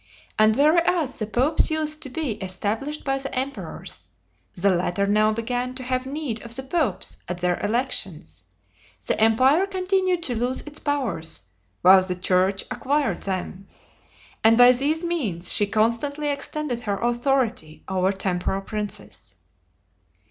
And whereas the popes used to be established by the emperors, the latter now began to have need of the popes at their elections; the empire continued to lose its powers, while the church acquired them; and, by these means, she constantly extended her authority over temporal princes.